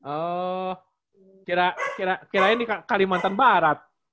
oh kirain di kalimantan barat